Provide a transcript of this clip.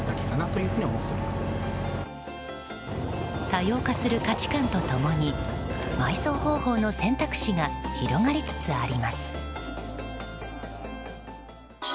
多様化する価値と共に埋葬方法の選択肢が広がりつつあります。